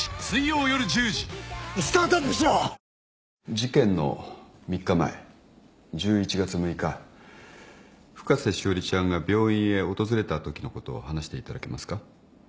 事件の３日前１１月６日深瀬詩織ちゃんが病院へ訪れたときのことを話していただけますか。